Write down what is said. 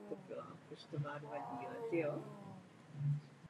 Nejčastěji se s ní setkáme v důsledku infekce rány.